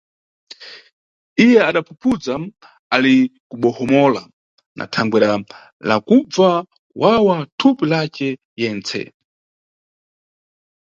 Iye adaphuphudza ali kubohomola na thangwera la kubva kuwawa thupi lace yetse.